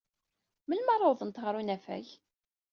Melmi ara awḍent ɣer unafag?